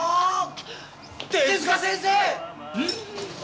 手先生！